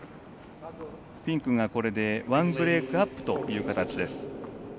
フィンクがこれで１ブレークアップという形です。